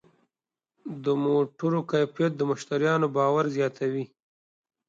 د موټرو کیفیت د مشتریانو باور زیاتوي.